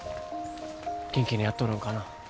元気にやっとるんかな？